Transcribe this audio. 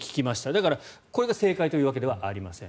だからこれが正解というわけではありません。